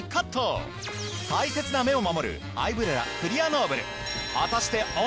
大切な目を守るアイブレラクリアノーブル。